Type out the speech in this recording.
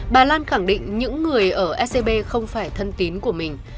bà lan khẳng định những người ở ecb không phải thân tín của mình